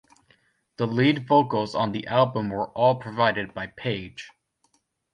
The lead vocals on the album were all provided by Page.